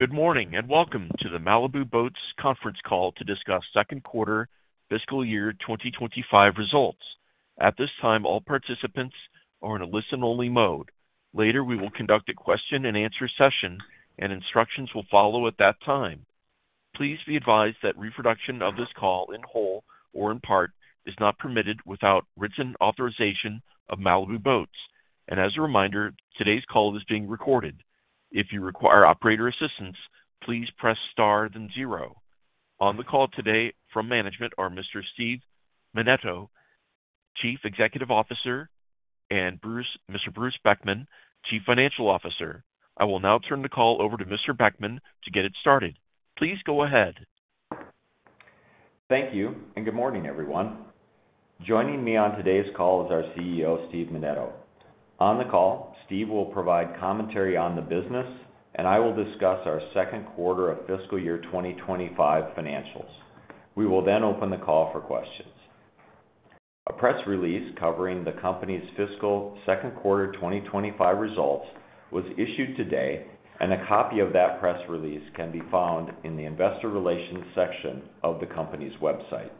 Good morning and welcome to the Malibu Boats conference call to discuss second quarter fiscal year 2025 results. At this time, all participants are in a listen-only mode. Later, we will conduct a question-and-answer session, and instructions will follow at that time. Please be advised that reproduction of this call in whole or in part is not permitted without written authorization of Malibu Boats. And as a reminder, today's call is being recorded. If you require operator assistance, please press star then zero. On the call today from management are Mr. Steve Menneto, Chief Executive Officer, and Mr. Bruce Beckman, Chief Financial Officer. I will now turn the call over to Mr. Beckman to get it started. Please go ahead. Thank you and good morning, everyone. Joining me on today's call is our CEO, Steve Menneto. On the call, Steve will provide commentary on the business, and I will discuss our second quarter of fiscal year 2025 financials. We will then open the call for questions. A press release covering the company's fiscal second quarter 2025 results was issued today, and a copy of that press release can be found in the investor relations section of the company's website.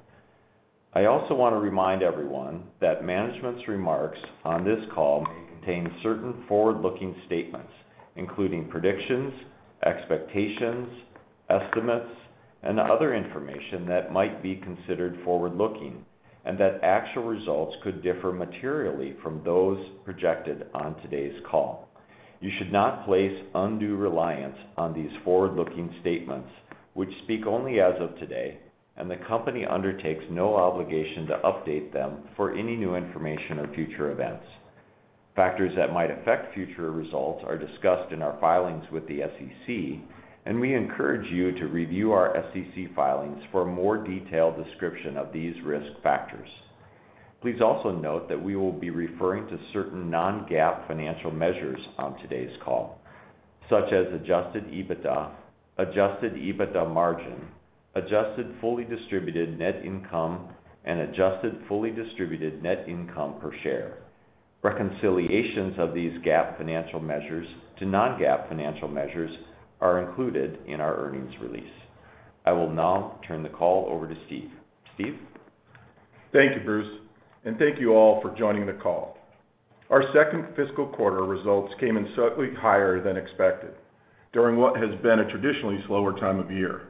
I also want to remind everyone that management's remarks on this call may contain certain forward-looking statements, including predictions, expectations, estimates, and other information that might be considered forward-looking, and that actual results could differ materially from those projected on today's call. You should not place undue reliance on these forward-looking statements, which speak only as of today, and the company undertakes no obligation to update them for any new information or future events. Factors that might affect future results are discussed in our filings with the SEC, and we encourage you to review our SEC filings for a more detailed description of these risk factors. Please also note that we will be referring to certain non-GAAP financial measures on today's call, such as Adjusted EBITDA, Adjusted EBITDA margin, Adjusted Fully Distributed Net Income, and Adjusted Fully Distributed Net Income per share. Reconciliations of these GAAP financial measures to non-GAAP financial measures are included in our earnings release. I will now turn the call over to Steve. Steve? Thank you, Bruce, and thank you all for joining the call. Our second fiscal quarter results came in slightly higher than expected during what has been a traditionally slower time of year.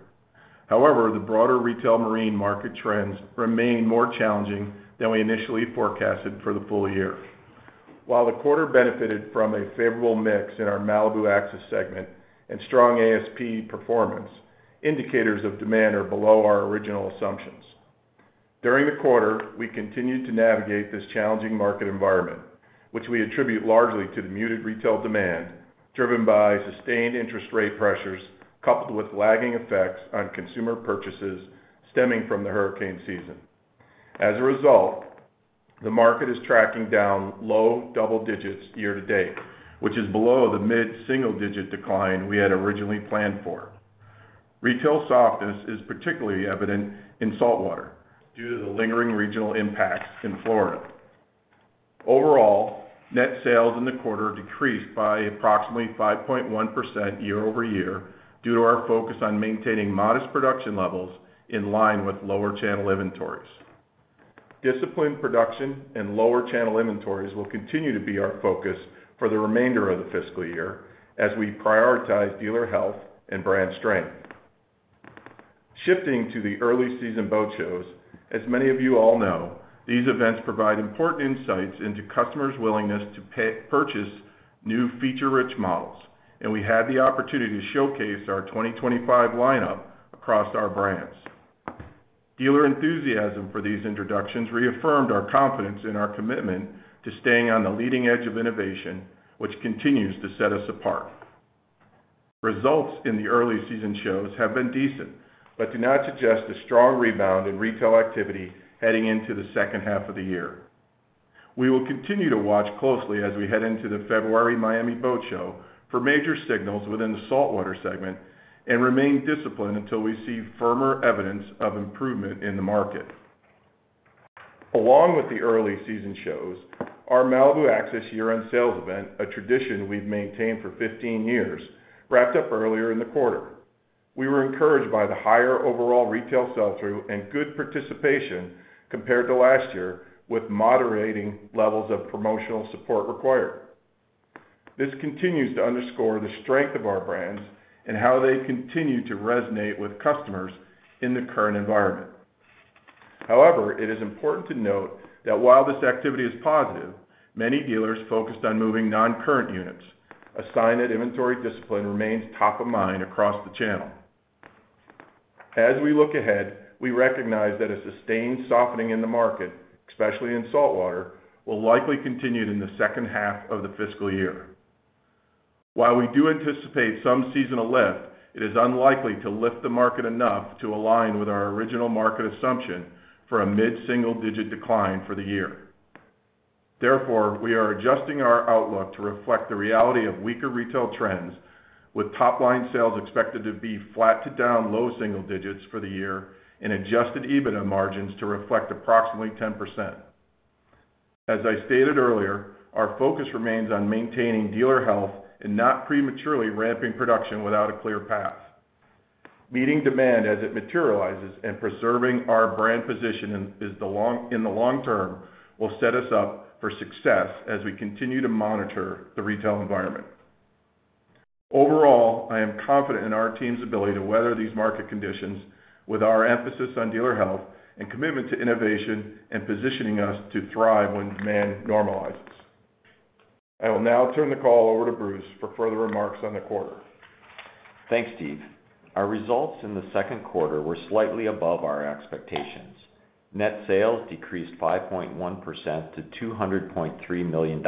However, the broader retail marine market trends remain more challenging than we initially forecasted for the full year. While the quarter benefited from a favorable mix in our Malibu Axis segment and strong ASP performance, indicators of demand are below our original assumptions. During the quarter, we continued to navigate this challenging market environment, which we attribute largely to the muted retail demand driven by sustained interest rate pressures coupled with lagging effects on consumer purchases stemming from the hurricane season. As a result, the market is tracking down low double digits year to date, which is below the mid-single digit decline we had originally planned for. Retail softness is particularly evident in saltwater due to the lingering regional impacts in Florida. Overall, net sales in the quarter decreased by approximately 5.1% year-over-year due to our focus on maintaining modest production levels in line with lower channel inventories. Disciplined production and lower channel inventories will continue to be our focus for the remainder of the fiscal year as we prioritize dealer health and brand strength. Shifting to the early season boat shows, as many of you all know, these events provide important insights into customers' willingness to purchase new feature-rich models, and we had the opportunity to showcase our 2025 lineup across our brands. Dealer enthusiasm for these introductions reaffirmed our confidence in our commitment to staying on the leading edge of innovation, which continues to set us apart. Results in the early season shows have been decent but do not suggest a strong rebound in retail activity heading into the second half of the year. We will continue to watch closely as we head into the February Miami Boat Show for major signals within the saltwater segment and remain disciplined until we see firmer evidence of improvement in the market. Along with the early season shows, our Malibu Axis year-end sales event, a tradition we've maintained for 15 years, wrapped up earlier in the quarter. We were encouraged by the higher overall retail sell-through and good participation compared to last year, with moderating levels of promotional support required. This continues to underscore the strength of our brands and how they continue to resonate with customers in the current environment. However, it is important to note that while this activity is positive, many dealers focused on moving non-current units, a sign that inventory discipline remains top of mind across the channel. As we look ahead, we recognize that a sustained softening in the market, especially in saltwater, will likely continue in the second half of the fiscal year. While we do anticipate some seasonal lift, it is unlikely to lift the market enough to align with our original market assumption for a mid-single-digit decline for the year. Therefore, we are adjusting our outlook to reflect the reality of weaker retail trends, with top-line sales expected to be flat to down low-single-digits for the year and Adjusted EBITDA margins to reflect approximately 10%. As I stated earlier, our focus remains on maintaining dealer health and not prematurely ramping production without a clear path. Meeting demand as it materializes and preserving our brand position in the long term will set us up for success as we continue to monitor the retail environment. Overall, I am confident in our team's ability to weather these market conditions with our emphasis on dealer health and commitment to innovation and positioning us to thrive when demand normalizes. I will now turn the call over to Bruce for further remarks on the quarter. Thanks, Steve. Our results in the second quarter were slightly above our expectations. Net sales decreased 5.1% to $200.3 million,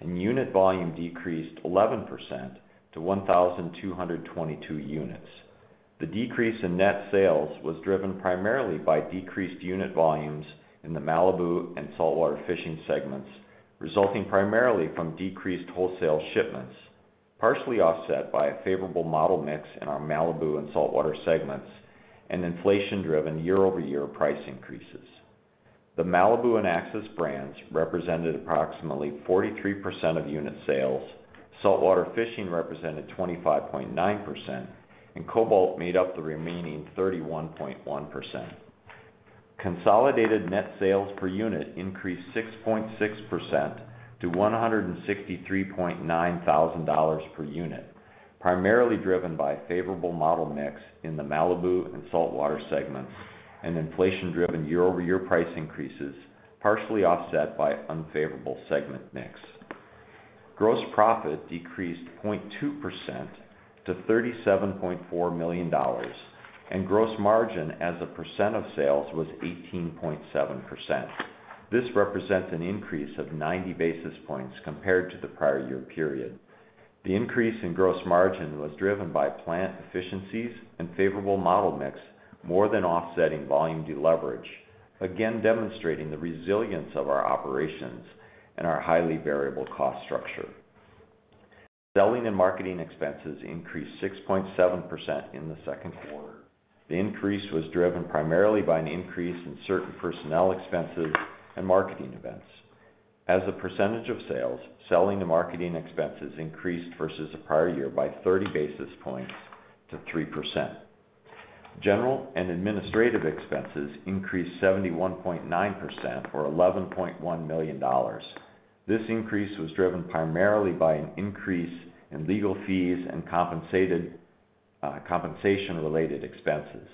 and unit volume decreased 11% to 1,222 units. The decrease in net sales was driven primarily by decreased unit volumes in the Malibu and Saltwater Fishing segments, resulting primarily from decreased wholesale shipments, partially offset by a favorable model mix in our Malibu and saltwater segments, and inflation-driven year-over-year price increases. The Malibu and Axis brands represented approximately 43% of unit sales, Saltwater Fishing represented 25.9%, and Cobalt made up the remaining 31.1%. Consolidated net sales per unit increased 6.6% to $163,900 per unit, primarily driven by a favorable model mix in the Malibu and saltwater segments and inflation-driven year-over-year price increases, partially offset by unfavorable segment mix. Gross profit decreased 0.2% to $37.4 million, and gross margin as a percent of sales was 18.7%. This represents an increase of 90 basis points compared to the prior year period. The increase in gross margin was driven by plant efficiencies and favorable model mix, more than offsetting volume deleverage, again demonstrating the resilience of our operations and our highly variable cost structure. Selling and marketing expenses increased 6.7% in the second quarter. The increase was driven primarily by an increase in certain personnel expenses and marketing events. As a percentage of sales, selling and marketing expenses increased versus the prior year by 30 basis points to 3%. General and administrative expenses increased 71.9%, or $11.1 million. This increase was driven primarily by an increase in legal fees and compensation-related expenses.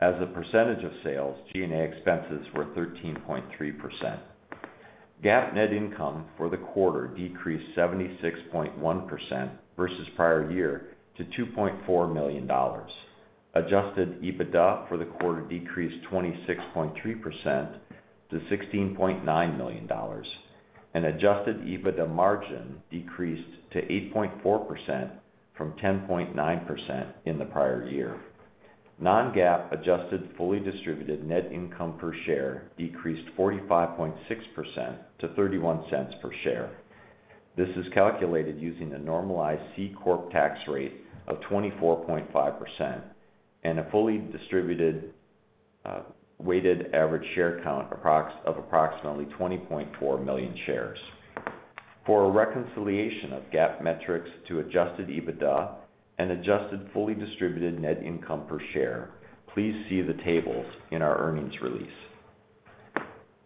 As a percentage of sales, G&A expenses were 13.3%. GAAP net income for the quarter decreased 76.1% versus prior year to $2.4 million. Adjusted EBITDA for the quarter decreased 26.3% to $16.9 million, and adjusted EBITDA margin decreased to 8.4% from 10.9% in the prior year. Non-GAAP adjusted fully distributed net income per share decreased 45.6% to $0.31 per share. This is calculated using a normalized C Corp tax rate of 24.5% and a fully distributed weighted average share count of approximately 20.4 million shares. For a reconciliation of GAAP metrics to adjusted EBITDA and adjusted fully distributed net income per share, please see the tables in our earnings release.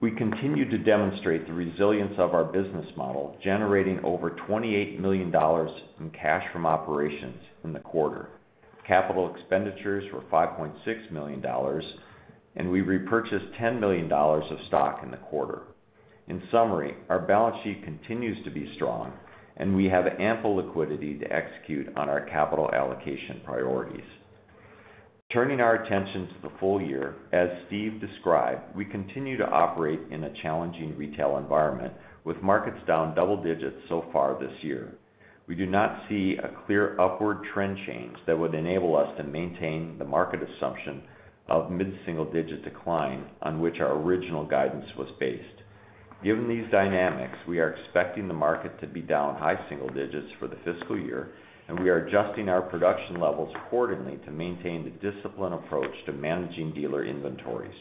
We continue to demonstrate the resilience of our business model, generating over $28 million in cash from operations in the quarter. Capital expenditures were $5.6 million, and we repurchased $10 million of stock in the quarter. In summary, our balance sheet continues to be strong, and we have ample liquidity to execute on our capital allocation priorities. Turning our attention to the full year, as Steve described, we continue to operate in a challenging retail environment with markets down double digits so far this year. We do not see a clear upward trend change that would enable us to maintain the market assumption of mid-single digit decline on which our original guidance was based. Given these dynamics, we are expecting the market to be down high single digits for the fiscal year, and we are adjusting our production levels accordingly to maintain the disciplined approach to managing dealer inventories.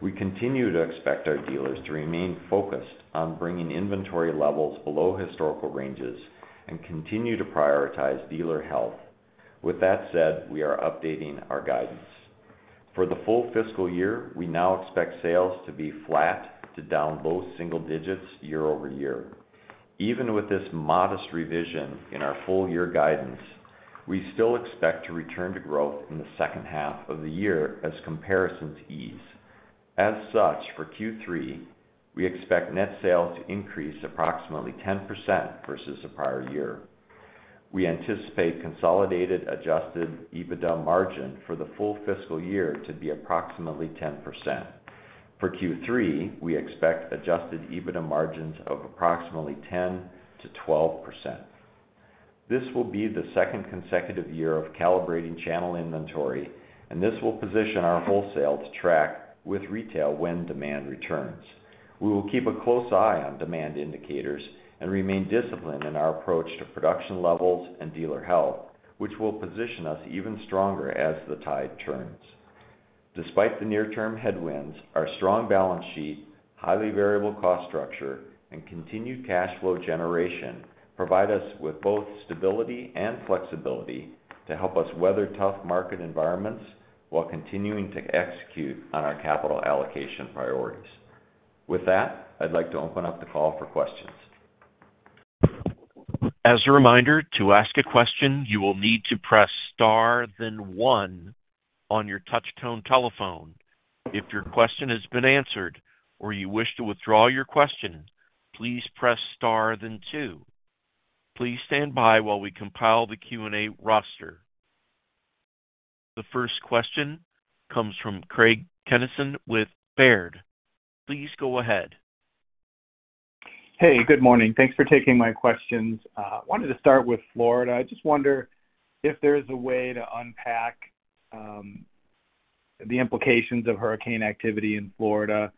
We continue to expect our dealers to remain focused on bringing inventory levels below historical ranges and continue to prioritize dealer health. With that said, we are updating our guidance. For the full fiscal year, we now expect sales to be flat to down low single digits year-over-year. Even with this modest revision in our full year guidance, we still expect to return to growth in the second half of the year as comparisons ease. As such, for Q3, we expect net sales to increase approximately 10% versus the prior year. We anticipate consolidated Adjusted EBITDA margin for the full fiscal year to be approximately 10%. For Q3, we expect Adjusted EBITDA margins of approximately 10%-12%. This will be the second consecutive year of calibrating channel inventory, and this will position our wholesale to track with retail when demand returns. We will keep a close eye on demand indicators and remain disciplined in our approach to production levels and dealer health, which will position us even stronger as the tide turns. Despite the near-term headwinds, our strong balance sheet, highly variable cost structure, and continued cash flow generation provide us with both stability and flexibility to help us weather tough market environments while continuing to execute on our capital allocation priorities. With that, I'd like to open up the call for questions. As a reminder, to ask a question, you will need to press star then one on your touch-tone telephone. If your question has been answered or you wish to withdraw your question, please press star then two. Please stand by while we compile the Q&A roster. The first question comes from Craig Kennison with Baird. Please go ahead. Hey, good morning. Thanks for taking my questions. I wanted to start with Florida. I just wonder if there's a way to unpack the implications of hurricane activity in Florida.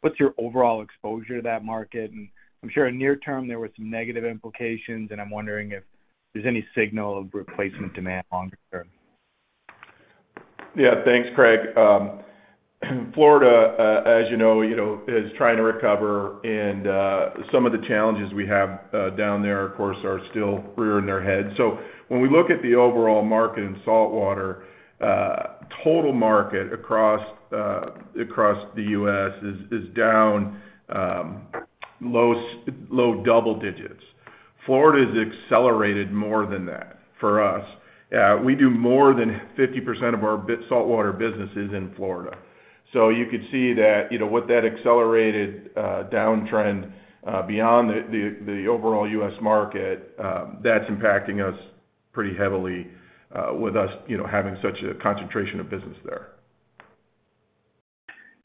What's your overall exposure to that market? And I'm sure in near term there were some negative implications, and I'm wondering if there's any signal of replacement demand longer term. Yeah, thanks, Craig. Florida, as you know, is trying to recover, and some of the challenges we have down there, of course, are still rearing their heads. So when we look at the overall market in saltwater, total market across the U.S. is down low double digits. Florida has accelerated more than that for us. We do more than 50% of our saltwater businesses in Florida. So you could see that with that accelerated downtrend beyond the overall U.S. market, that's impacting us pretty heavily with us having such a concentration of business there.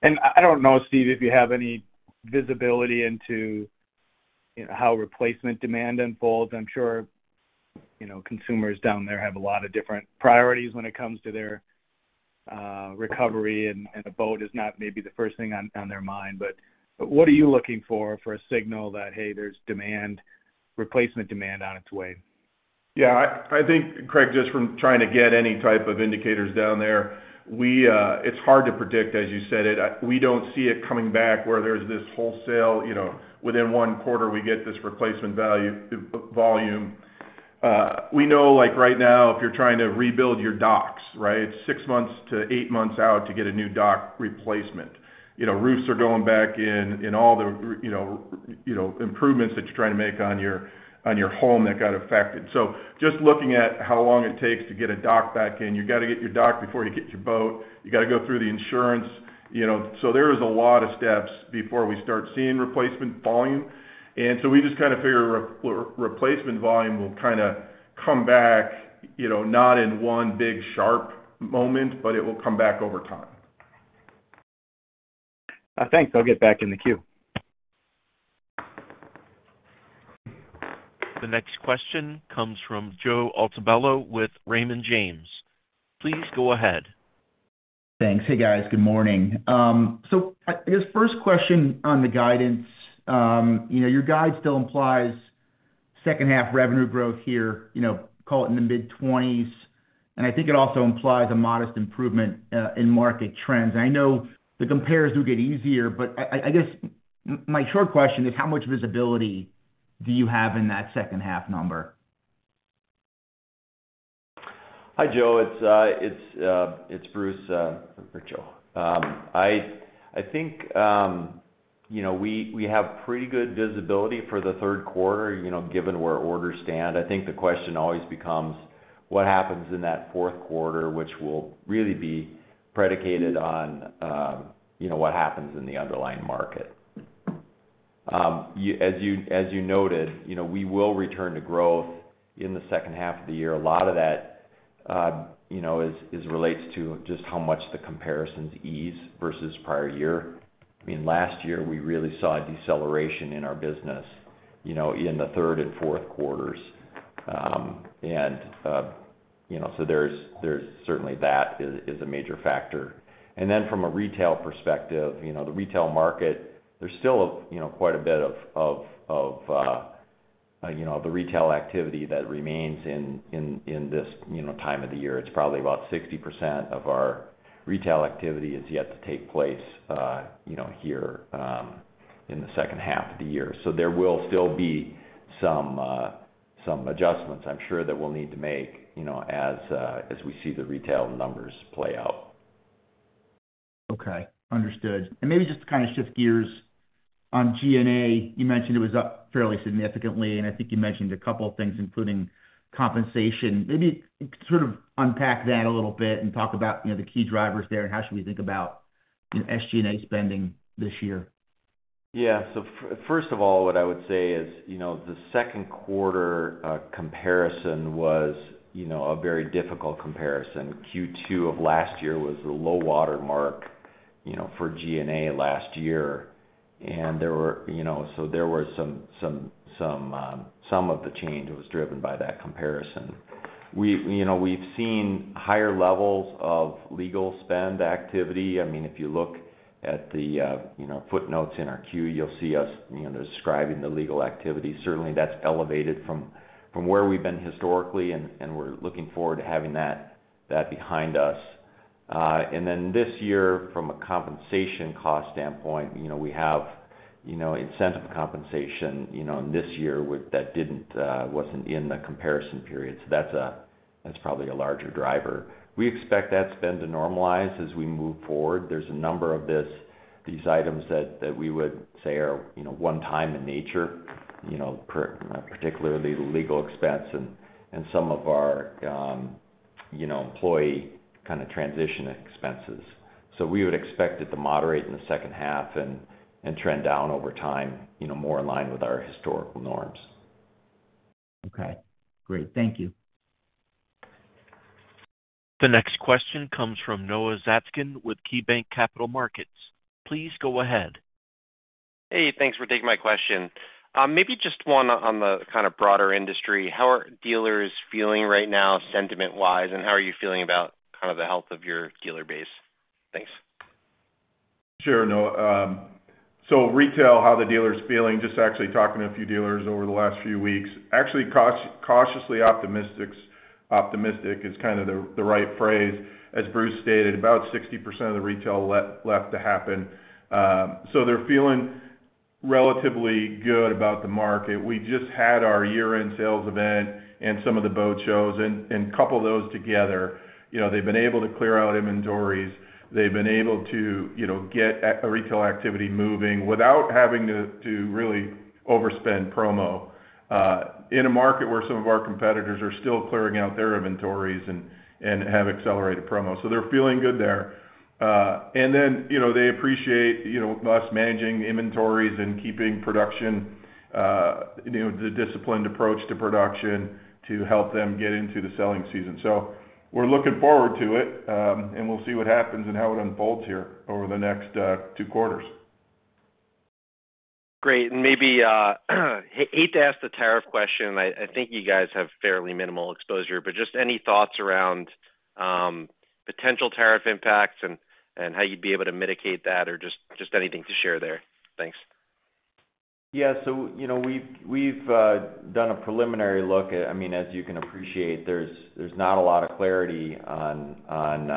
And I don't know, Steve, if you have any visibility into how replacement demand unfolds. I'm sure consumers down there have a lot of different priorities when it comes to their recovery, and a boat is not maybe the first thing on their mind. But what are you looking for a signal that, hey, there's replacement demand on its way? Yeah, I think, Craig, just from trying to get any type of indicators down there, it's hard to predict, as you said it. We don't see it coming back where there's this wholesale within one quarter we get this replacement volume. We know right now if you're trying to rebuild your docks, right, it's six months to eight months out to get a new dock replacement. Roofs are going back in and all the improvements that you're trying to make on your home that got affected. So just looking at how long it takes to get a dock back in, you got to get your dock before you get your boat. You got to go through the insurance. So there is a lot of steps before we start seeing replacement volume. And so we just kind of figure replacement volume will kind of come back, not in one big sharp moment, but it will come back over time. Thanks. I'll get back in the queue. The next question comes from Joe Altobello with Raymond James. Please go ahead. Thanks. Hey, guys. Good morning. So I guess first question on the guidance, your guide still implies second-half revenue growth here, call it in the mid-20s. And I think it also implies a modest improvement in market trends. I know the compares do get easier, but I guess my short question is, how much visibility do you have in that second-half number? Hi, Joe. It's Bruce Beckman. I think we have pretty good visibility for the third quarter given where orders stand. I think the question always becomes, what happens in that fourth quarter, which will really be predicated on what happens in the underlying market. As you noted, we will return to growth in the second half of the year. A lot of that relates to just how much the comparisons ease versus prior year. I mean, last year, we really saw a deceleration in our business in the third and fourth quarters. And so there's certainly that is a major factor. And then from a retail perspective, the retail market, there's still quite a bit of the retail activity that remains in this time of the year. It's probably about 60% of our retail activity is yet to take place here in the second half of the year. So there will still be some adjustments, I'm sure, that we'll need to make as we see the retail numbers play out. Okay. Understood. And maybe just to kind of shift gears on G&A, you mentioned it was up fairly significantly, and I think you mentioned a couple of things, including compensation. Maybe sort of unpack that a little bit and talk about the key drivers there and how should we think about SG&A spending this year? Yeah. So first of all, what I would say is the second quarter comparison was a very difficult comparison. Q2 of last year was the low water mark for G&A last year. And so there was some of the change that was driven by that comparison. We've seen higher levels of legal spend activity. I mean, if you look at the footnotes in our Q, you'll see us describing the legal activity. Certainly, that's elevated from where we've been historically, and we're looking forward to having that behind us. And then this year, from a compensation cost standpoint, we have incentive compensation this year that wasn't in the comparison period. So that's probably a larger driver. We expect that spend to normalize as we move forward. There's a number of these items that we would say are one-time in nature, particularly the legal expense and some of our employee kind of transition expenses. So we would expect it to moderate in the second half and trend down over time, more in line with our historical norms. Okay. Great. Thank you. The next question comes from Noah Zatzkin with KeyBanc Capital Markets. Please go ahead. Hey, thanks for taking my question. Maybe just one on the kind of broader industry. How are dealers feeling right now sentiment-wise, and how are you feeling about kind of the health of your dealer base? Thanks. Sure. So, retail, how the dealer's feeling, just actually talking to a few dealers over the last few weeks, actually cautiously optimistic is kind of the right phrase. As Bruce stated, about 60% of the retail left to happen. So they're feeling relatively good about the market. We just had our year-end sales event and some of the boat shows. And couple those together, they've been able to clear out inventories. They've been able to get retail activity moving without having to really overspend promo in a market where some of our competitors are still clearing out their inventories and have accelerated promo. So they're feeling good there. And then they appreciate us managing inventories and keeping production, the disciplined approach to production to help them get into the selling season. So we're looking forward to it, and we'll see what happens and how it unfolds here over the next two quarters. Great. And maybe I hate to ask the tariff question. I think you guys have fairly minimal exposure, but just any thoughts around potential tariff impacts and how you'd be able to mitigate that or just anything to share there? Thanks. Yeah. So we've done a preliminary look. I mean, as you can appreciate, there's not a lot of clarity on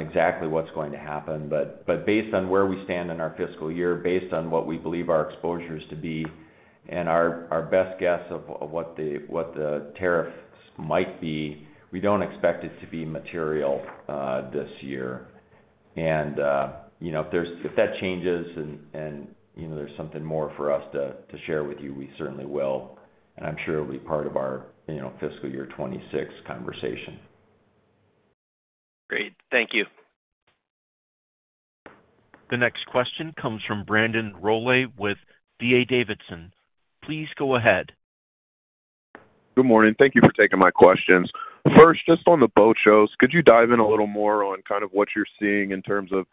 exactly what's going to happen. But based on where we stand in our fiscal year, based on what we believe our exposure is to be and our best guess of what the tariffs might be, we don't expect it to be material this year. And if that changes and there's something more for us to share with you, we certainly will. And I'm sure it'll be part of our fiscal year 2026 conversation. Great. Thank you. The next question comes from Brandon Rolle with D.A. Davidson. Please go ahead. Good morning. Thank you for taking my questions. First, just on the boat shows, could you dive in a little more on kind of what you're seeing in terms of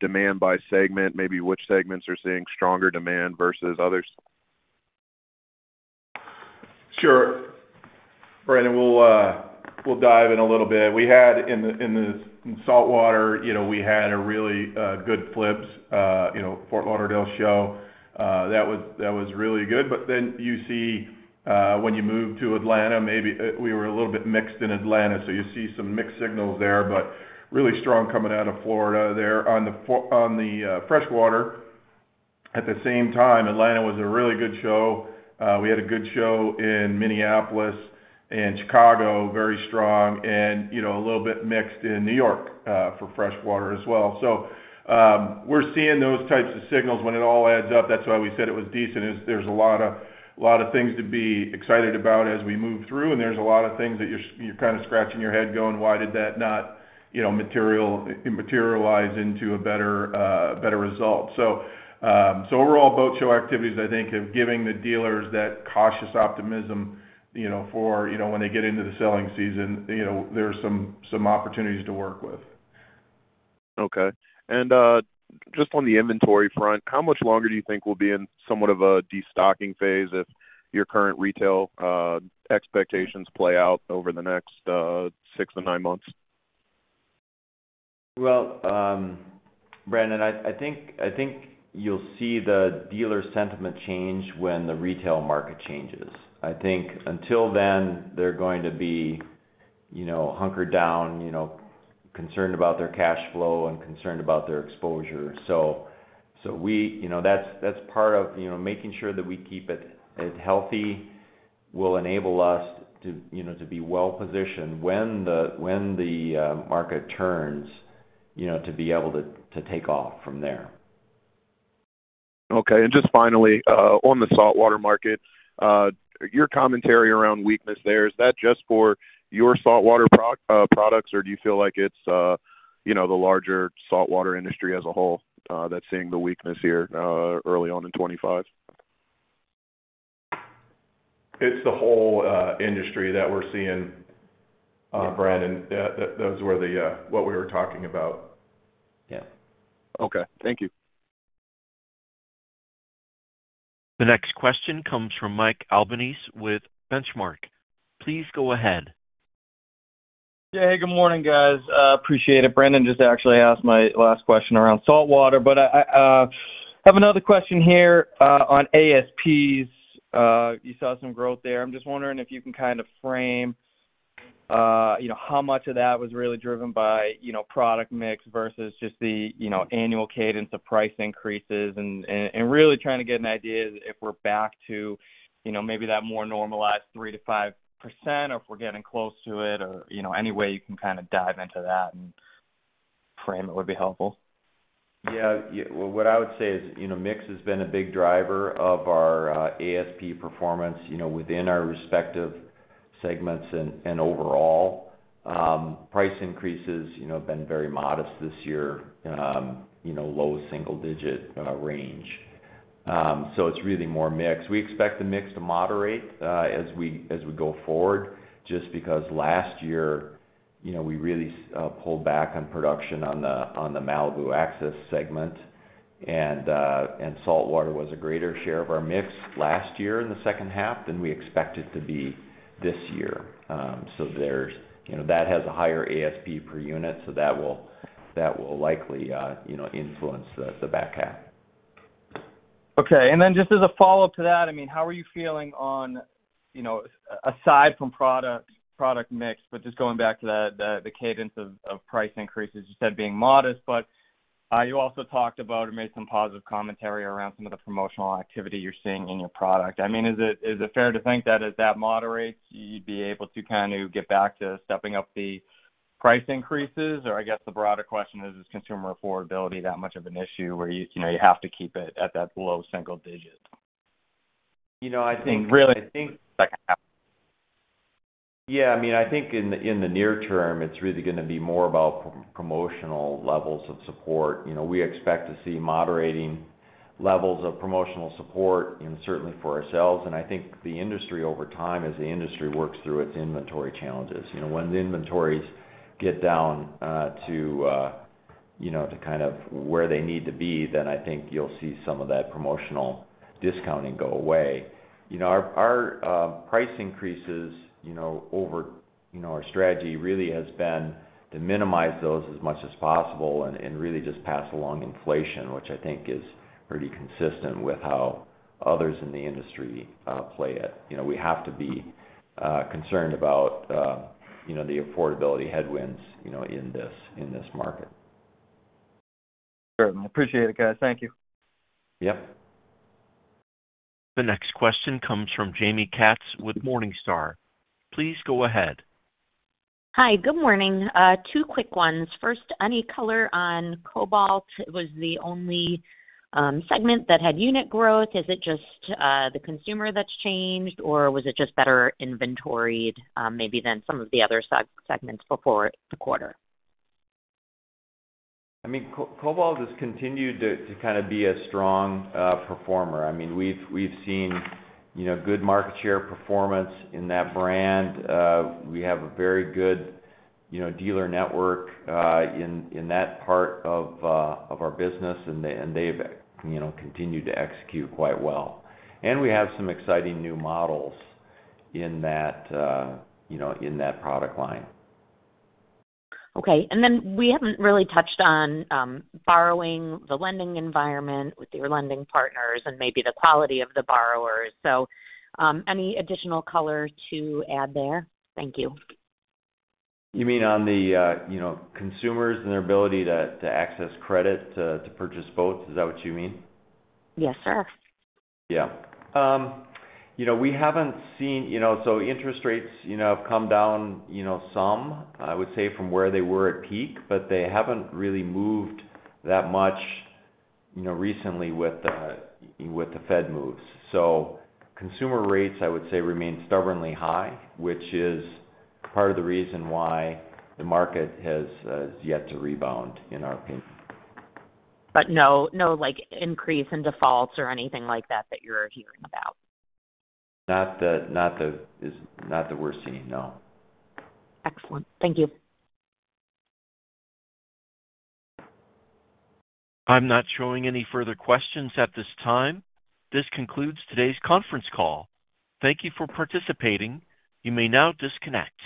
demand by segment, maybe which segments are seeing stronger demand versus others? Sure. All right. And we'll dive in a little bit. In the saltwater, we had a really good FLIBS, Fort Lauderdale show. That was really good. But then you see when you move to Atlanta, maybe we were a little bit mixed in Atlanta. So you see some mixed signals there, but really strong coming out of Florida there on the freshwater. At the same time, Atlanta was a really good show. We had a good show in Minneapolis and Chicago, very strong, and a little bit mixed in New York for freshwater as well. So we're seeing those types of signals when it all adds up. That's why we said it was decent. There's a lot of things to be excited about as we move through, and there's a lot of things that you're kind of scratching your head going, "Why did that not materialize into a better result?" So overall, boat show activities, I think, have given the dealers that cautious optimism for when they get into the selling season. There's some opportunities to work with. Okay, and just on the inventory front, how much longer do you think we'll be in somewhat of a destocking phase if your current retail expectations play out over the next six-to-nine months? Brandon, I think you'll see the dealer sentiment change when the retail market changes. I think until then, they're going to be hunkered down, concerned about their cash flow, and concerned about their exposure. That's part of making sure that we keep it healthy will enable us to be well-positioned when the market turns to be able to take off from there. Okay. And just finally, on the saltwater market, your commentary around weakness there, is that just for your saltwater products, or do you feel like it's the larger saltwater industry as a whole that's seeing the weakness here early on in 2025? It's the whole industry that we're seeing, Brandon. That was what we were talking about. Yeah. Okay. Thank you. The next question comes from Mike Albanese with Benchmark. Please go ahead. Yeah. Hey, good morning, guys. Appreciate it. Brandon just actually asked my last question around saltwater, but I have another question here on ASPs. You saw some growth there. I'm just wondering if you can kind of frame how much of that was really driven by product mix versus just the annual cadence of price increases and really trying to get an idea if we're back to maybe that more normalized 3%-5% or if we're getting close to it or any way you can kind of dive into that and frame it would be helpful. Yeah. What I would say is mix has been a big driver of our ASP performance within our respective segments and overall. Price increases have been very modest this year, low single-digit range. So it's really more mixed. We expect the mix to moderate as we go forward just because last year we really pulled back on production on the Malibu Axis segment, and saltwater was a greater share of our mix last year in the second half than we expected to be this year. So that has a higher ASP per unit, so that will likely influence the back half. Okay. And then, just as a follow-up to that, I mean, how are you feeling aside from product mix, but just going back to the cadence of price increases? You said being modest, but you also talked about or made some positive commentary around some of the promotional activity you're seeing in your product. I mean, is it fair to think that as that moderates, you'd be able to kind of get back to stepping up the price increases? Or I guess the broader question is, is consumer affordability that much of an issue where you have to keep it at that low single digit? I think really. Second half. Yeah. I mean, I think in the near term, it's really going to be more about promotional levels of support. We expect to see moderating levels of promotional support, certainly for ourselves, and I think the industry over time, as the industry works through its inventory challenges. When the inventories get down to kind of where they need to be, then I think you'll see some of that promotional discounting go away. Our price increases over our strategy really has been to minimize those as much as possible and really just pass along inflation, which I think is pretty consistent with how others in the industry play it. We have to be concerned about the affordability headwinds in this market. Certainly. Appreciate it, guys. Thank you. Yep. The next question comes from Jaime Katz with Morningstar. Please go ahead. Hi. Good morning. Two quick ones. First, any color on Cobalt? It was the only segment that had unit growth. Is it just the consumer that's changed, or was it just better inventoried maybe than some of the other segments before the quarter? I mean, Cobalt has continued to kind of be a strong performer. I mean, we've seen good market share performance in that brand. We have a very good dealer network in that part of our business, and they've continued to execute quite well. And we have some exciting new models in that product line. Okay. And then we haven't really touched on borrowing, the lending environment with your lending partners, and maybe the quality of the borrowers. So any additional color to add there? Thank you. You mean on the consumers and their ability to access credit to purchase boats? Is that what you mean? Yes, sir. Yeah. We haven't seen so interest rates have come down some, I would say, from where they were at peak, but they haven't really moved that much recently with the Fed moves. So consumer rates, I would say, remain stubbornly high, which is part of the reason why the market has yet to rebound, in our opinion. But no increase in defaults or anything like that that you're hearing about? Not that we're seeing. No. Excellent. Thank you. I'm not showing any further questions at this time. This concludes today's conference call. Thank you for participating. You may now disconnect.